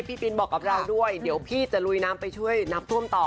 พี่บินบอกกับเราด้วยเดี๋ยวพี่จะลุยน้ำไปช่วยน้ำท่วมต่อ